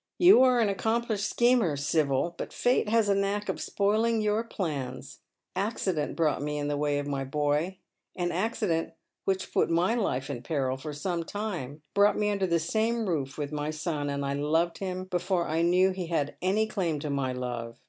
" You are an accomplished schemer, Sibyl, but Fate has a knack of spoiling your plana. Accident brought me in tlie way of my boy ; an accident, which put my life in peril for some time, brought me under the same roof with my son, and I loved him before I knew that he had any claim to my love."